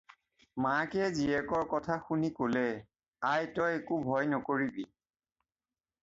"মাকে জীয়েকৰ কথা শুনি ক'লে- "আই তই একো ভয় নকৰিবি।"